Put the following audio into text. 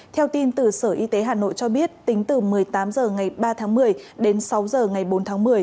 theo tin từ sở y tế hà nội cho biết tính từ một mươi tám h ngày ba tháng một mươi đến sáu h ngày bốn tháng một mươi